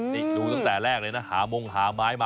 นี่ดูตั้งแต่แรกเลยนะหามงหาไม้มา